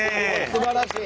すばらしい！